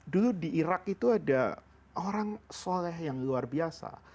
dulu di irak itu ada orang soleh yang luar biasa